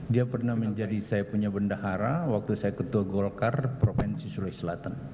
dia pernah menjadi saya punya bendahara waktu saya ketua golkar provinsi sulawesi selatan